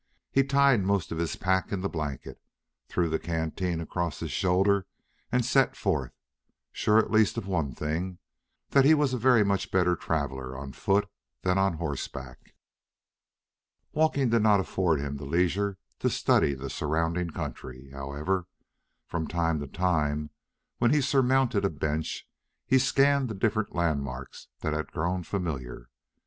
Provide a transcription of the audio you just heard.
He tied most of his pack in the blanket, threw the canteen across his shoulder, and set forth, sure at least of one thing that he was a very much better traveler on foot than on horseback. Walking did not afford him the leisure to study the surrounding country; however, from time to time, when he surmounted a bench he scanned the different landmarks that had grown familiar.